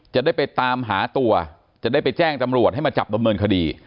จะได้ไปตามหาตัวจะได้ไปแจ้งตำรวจให้มาจับดำเนินคดี